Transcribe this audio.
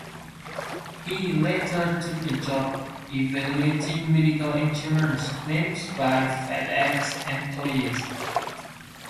He later took a job evaluating medical insurance claims by FedEx employees.